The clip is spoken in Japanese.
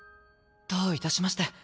どういたしまして。